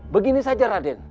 begini saja raden